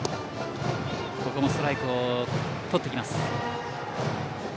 ここもストライクをとってきます。